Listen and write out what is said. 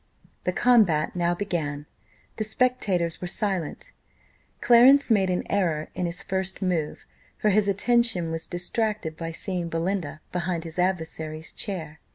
The combat now began the spectators were silent. Clarence made an error in his first move, for his attention was distracted by seeing Belinda behind his adversary's chair.